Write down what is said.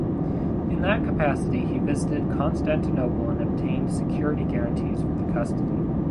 In that capacity he visited Constantinople and obtained security guarantees for the Custody.